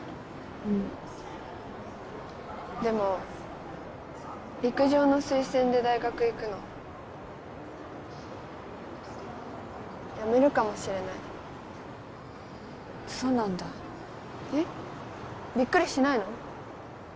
うんでも陸上の推薦で大学行くのやめるかもしれないそうなんだえっびっくりしないの？